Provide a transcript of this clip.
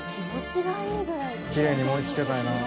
きれいに盛りつけたいな。